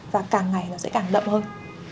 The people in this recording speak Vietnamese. và càng ngày nó sẽ càng đậm hơn